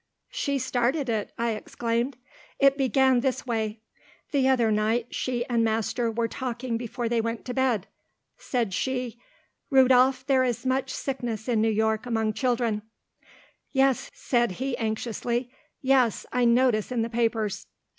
"She started it," I exclaimed. "It began this way. The other night she and master were talking before they went to bed. Said she, 'Rudolph, there is much sickness in New York among children.' "Said he anxiously, 'Yes, I notice in the papers!